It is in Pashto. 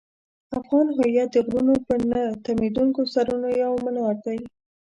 افغان هویت د غرونو پر نه تمېدونکو سرونو یو منار دی.